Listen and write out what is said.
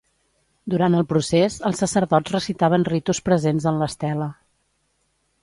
Durant el procés, els sacerdots recitaven ritus presents en l'estela.